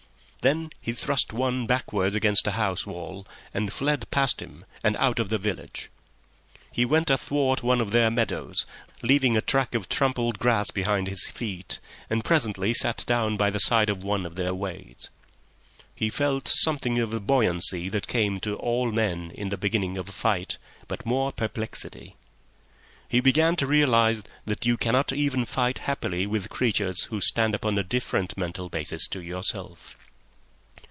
Then he had thrust one backwards against a house wall, and fled past him and out of the village. He went athwart one of their meadows, leaving a track of trampled grass behind his feet, and presently sat down by the side of one of their ways. He felt something of the buoyancy that comes to all men in the beginning of a fight, but more perplexity. He began to realise that you cannot even fight happily with creatures who stand upon a different mental basis to yourself.